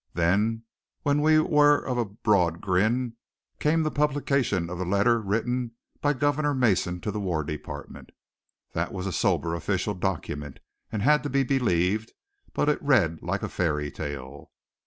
Then, when we were of a broad grin, came the publication of the letter written by Governor Mason to the War Department. That was a sober official document, and had to be believed, but it read like a fairy tale.